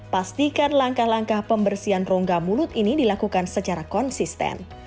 pastikan langkah langkah pembersihan rongga mulut ini dilakukan secara konsisten